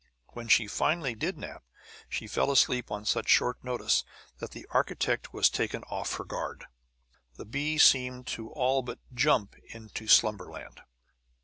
When she finally did nap, she fell asleep on such short notice that the architect was taken off her guard. The bee seemed to all but jump into slumberland.